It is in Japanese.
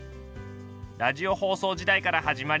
ラジオ放送時代から始まり